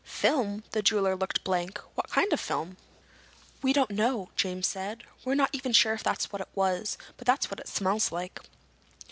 "Film?" The jeweler looked blank. "What kind of film?" "We don't know," James said. "We're not even sure if that's what it was, but that's what it smells like."